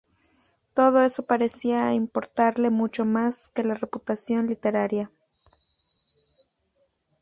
Todo eso parecía importarle mucho más que la reputación literaria.